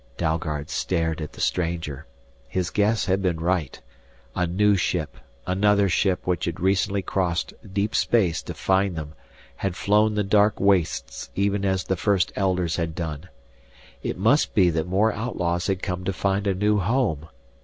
Dalgard stared at the stranger. His guess had been right. A new ship, another ship which had recently crossed deep space to find them had flown the dark wastes even as the First Elders had done! It must be that more outlaws had come to find a new home!